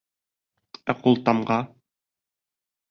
Ә ҡултамға?